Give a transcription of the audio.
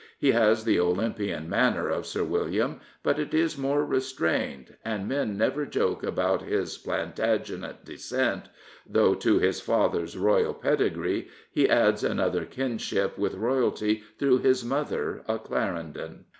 He has the Ol5unpian manner of Sir William, but it is more restrained, and men never joke about his Plantagenet descent, though to his father's Royal pedigree he adds another kinship with royalty through his mother, a Clarendon.